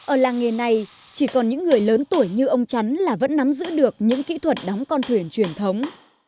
ở làng nghề này chỉ còn những người lớn tuổi như ông chắn là vẫn nắm giữ được những kỹ thuật đóng con thuyền truyền thống